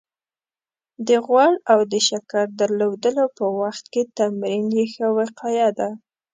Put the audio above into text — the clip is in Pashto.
د غوړ او د شکر درلودلو په وخت کې تمرین يې ښه وقايه ده